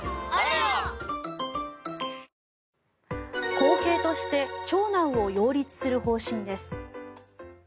後継として長男を擁立する方針です。